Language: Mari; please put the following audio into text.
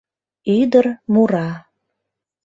Ӱдыр мура.